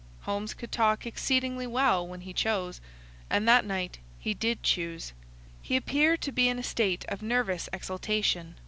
Holmes could talk exceedingly well when he chose, and that night he did choose. He appeared to be in a state of nervous exaltation.